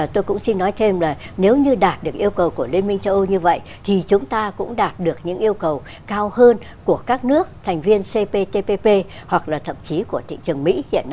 tôi cũng xin nói thêm là nếu như đạt được yêu cầu của liên minh châu âu như vậy thì chúng ta cũng đạt được những yêu cầu cao hơn của các nước thành viên cptpp hoặc là thậm chí của thị trường mỹ